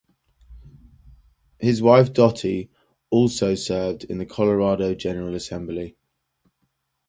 His wife Dottie also served in the Colorado General Assembly.